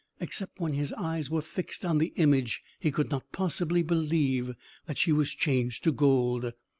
Except when his eyes were fixed on the image, he could not possibly believe that she was changed to gold.